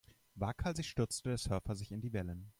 Waghalsig stürzte der Surfer sich in die Wellen.